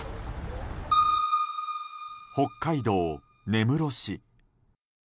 北海道根室市。